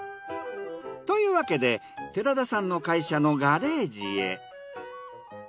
というわけで寺田さんの会社のガレージへ。